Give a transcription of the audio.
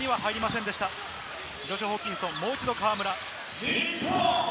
ジョシュ・ホーキンソン、もう一度、河村。